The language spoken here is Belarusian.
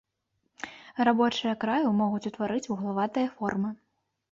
Рабочыя краю могуць утвараць вуглаватыя формы.